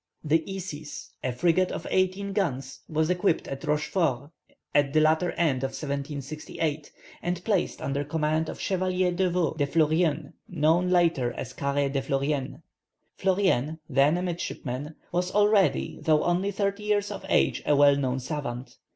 The Isis, a frigate of eighteen guns, was equipped at Rochefort at the latter end of 1768, and placed under command of Chevalier d'Eveux de Fleurien, known later as Caret de Fleurien. Fleurien, then a midshipman, was already, though only thirty years of age, a well known savant.